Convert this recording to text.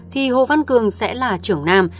thì hồ văn cường sẽ là trưởng nam